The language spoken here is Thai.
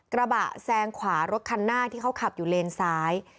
กระบะแซงขวารถคันหน้าที่เขาขับอยู่เลนซ้าย